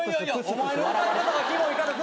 お前の歌い方がキモいから。